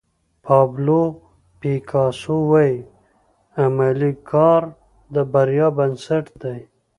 پابلو پیکاسو وایي عملي کار د بریا بنسټ دی.